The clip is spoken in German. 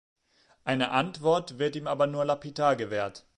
Eine Antwort wird ihm aber nur lapidar gewährt.